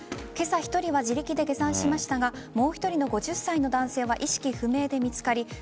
今朝、１人は自力で下山しましたがもう１人の５０歳の男性は意識不明で見つかり